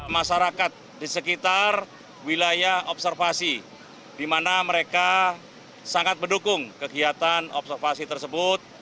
masyarakat di sekitar wilayah observasi di mana mereka sangat mendukung kegiatan observasi tersebut